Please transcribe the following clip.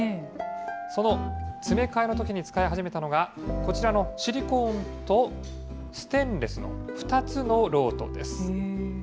その詰め替えのときに使い始めたのが、こちらのシリコーンとステンレスの２つの漏斗です。